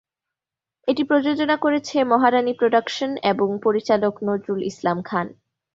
এটি প্রযোজনা করেছে মহারানী প্রোডাকশন এবং পরিচালক নজরুল ইসলাম খান।